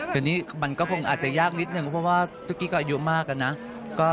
แต่นี่มันก็คงอาจจะยากนิดนึงเพราะว่าตุ๊กกี้ก็อายุมากอะนะ